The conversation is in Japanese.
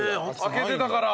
開けてたから。